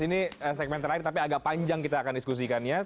ini segmen terakhir tapi agak panjang kita akan diskusikannya